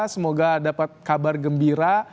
semoga dapat kabar gembira